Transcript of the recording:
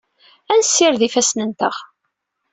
Ad nessired ifassen-nteɣ.